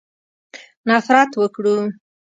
نفرت وکړو.